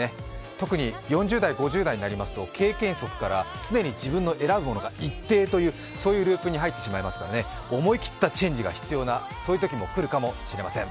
特に４０代、５０代になりますと経験則から常に自分の選ぶ者が一定というそういうループに入ってしまいますから、思い切ったチェンジが必要なこともあるかもしれません。